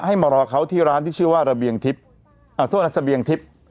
ให้มารอเขาที่ร้านที่ชื่อว่าระเบียงทิพย์อ่าโทรศัพท์ระเบียงทิพย์